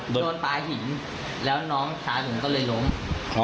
โดนปลาหินแล้วน้องชายหนึ่งก็เลยล้ม